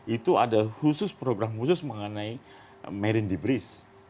itu ada khusus program khusus mengenai marine debris